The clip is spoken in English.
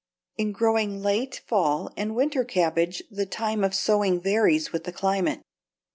In growing late fall and winter cabbage the time of sowing varies with the climate.